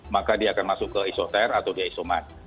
maka dia akan masuk ke esoter atau dia isomat